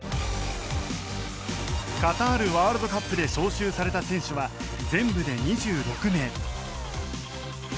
カタールワールドカップで招集された選手は全部で２６名。